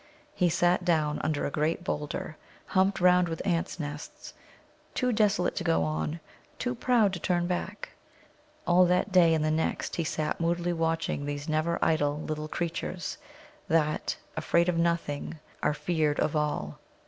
He sat down under a great boulder, humped round with ants' nests, too desolate to go on, too proud to turn back. All that day and the next he sat moodily watching these never idle little creatures, that, afraid of nothing, are feared of all.